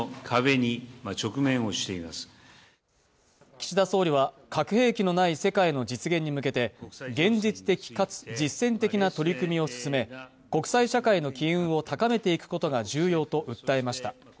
岸田総理は核兵器のない世界の実現に向けて現実的かつ実践的な取り組みを進め、国際社会の機運を高めていくことが重要と訴えました。